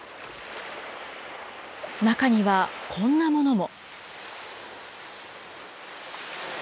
中にはこんなものも。